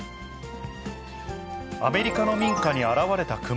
アメリカの民家に現れた熊。